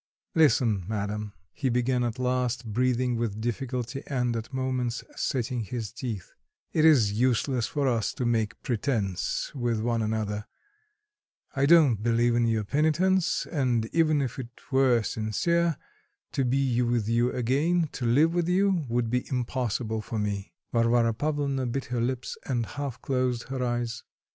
"Listen, madam," he began at last, breathing with difficulty and at moments setting his teeth: "it is useless for us to make pretense with one another; I don't believe in your penitence; and even if it were sincere, to be with you again, to live with you, would be impossible for me." Varvara Pavlovna bit her lips and half closed her eyes.